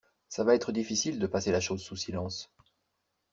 Ça va être difficile de passer la chose sous silence.